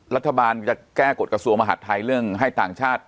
รัฐบาลจะแก้กฎกระทรวงมหาดไทยเรื่องให้ต่างชาติ